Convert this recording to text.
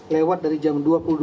lewat dari jam dua puluh dua